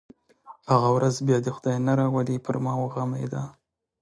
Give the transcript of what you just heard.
هغه ورځ بیا دې یې خدای نه راولي پر ما وغمېده.